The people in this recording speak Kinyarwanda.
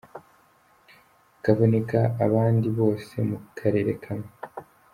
Kaboneka abandi bose mu karere kamwe!.